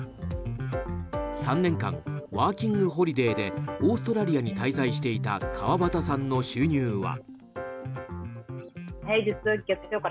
３年間ワーキングホリデーでオーストラリアに滞在していた川畑さんの収入は。